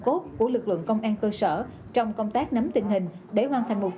các bệnh viện cơ sở y tế tập trung mọi nguồn lực